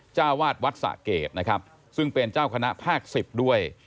เจ้าวาดวัดสะเกดนะครับซึ่งเป็นเจ้าคณะภาค๑๐ด้วย